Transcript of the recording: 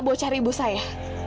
buat cari ibu saya